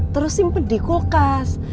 terus simpen di kulkas